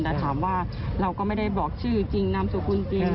แต่ถามว่าเราก็ไม่ได้บอกชื่อจริงนามสกุลจริง